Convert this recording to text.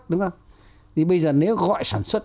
đúng không thì bây giờ nếu gọi sản xuất